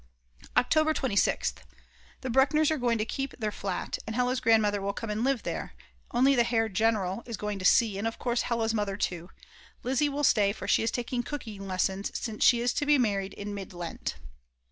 October 26th. The Bruckners are going to keep on their flat, and Hella's grandmother will come and live there; only the Herr General!!! is going to C., and of course Hella's mother too. Lizzi will stay, for she is taking cooking lessons, since she is to be married in Mid Lent.